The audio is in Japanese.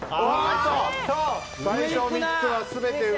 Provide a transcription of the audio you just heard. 最初の３つは全て上！